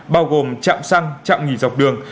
bao gồm chạm xăng chạm nghỉ dọc đường